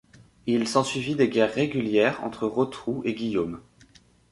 Il s'ensuivit des guerres régulières entre Rotrou et Guillaume.